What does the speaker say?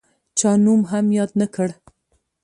چا نوم هم یاد نه کړ.